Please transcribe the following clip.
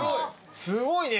すごいね！